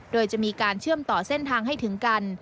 โดยจะมีการเชื่อมต่อเส้นทางให้ถึงกัน